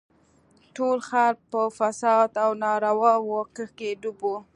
ټول ښار په فساد او نارواوو کښې ډوب و.